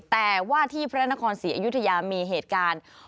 แต่ว่าที่พระนครศรีอยุธยามีเหตุการณ์